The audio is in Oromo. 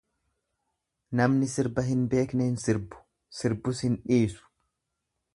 Namni sirba hin beekne hin sirbu, sirbus hin dhiisu.